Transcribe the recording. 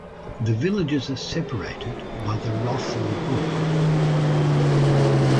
The villages are separated by the Rothley Brook.